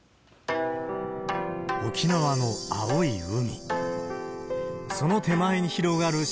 沖縄の青い海。